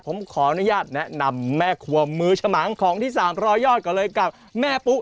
ผมขออนุญาตแนะนำแม่ครัวมือฉมังของที่๓๐๐ยอดก่อนเลยกับแม่ปุ๊